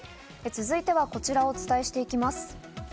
続いては、こちらをお伝えしていきます。